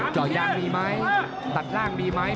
เจาะยางมีไหมตัดล่างดีไหม